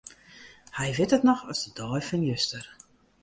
Hy wit it noch as de dei fan juster.